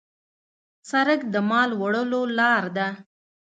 سړک د مال وړلو لار ده.